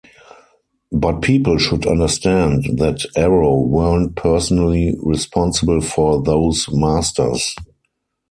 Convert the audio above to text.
But people should understand that Arrow weren't personally responsible for those masters.